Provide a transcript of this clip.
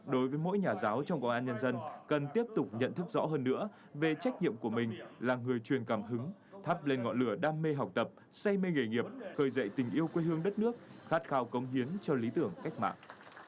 đối với mỗi nhà giáo trong công an nhân dân cần tiếp tục nhận thức rõ hơn nữa về trách nhiệm của mình là người truyền cảm hứng thắp lên ngọn lửa đam mê học tập say mê nghề nghiệp khơi dậy tình yêu quê hương đất nước khát khao công hiến cho lý tưởng cách mạng